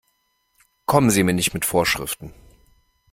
Kommen Sie mir nicht mit Vorschriften!